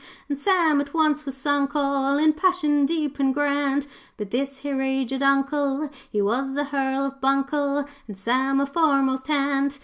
'And Sam at once was sunk all In passion deep and grand, But this here aged Uncle He was the Hearl of Buncle And Sam a foremast hand.